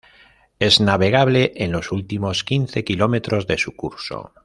Es navegable en los últimos quince kilómetros de su curso.